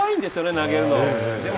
投げるのも。